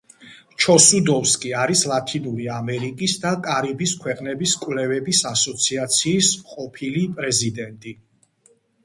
ჩოსუდოვსკი არის ლათინური ამერიკის და კარიბის ქვეყნების კვლევების ასოციაციის ყოფილი პრეზიდენტი.